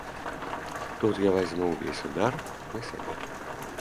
Тут я вазьму ўвесь удар на сябе.